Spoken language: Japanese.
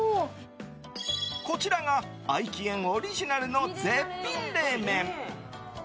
こちらが合奇苑オリジナルの絶品冷麺。